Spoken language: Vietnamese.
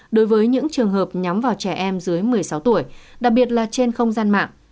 đối với những trường hợp nhắm vào trẻ em dưới một mươi sáu tuổi đặc biệt là trên không gian mạng